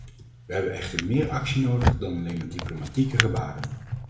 Wij hebben echter meer actie nodig dan alleen maar diplomatieke gebaren.